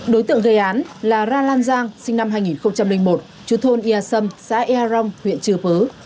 đối tượng gây án là ra lan giang sinh năm hai nghìn một chú thôn yà sâm xã ea rong huyện chi pu